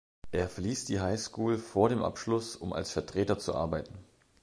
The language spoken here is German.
Er verließ die High School vor dem Abschluss, um als Vertreter zu arbeiten.